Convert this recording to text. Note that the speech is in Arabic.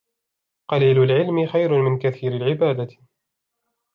قَلِيلُ الْعِلْمِ خَيْرٌ مِنْ كَثِيرِ الْعِبَادَةِ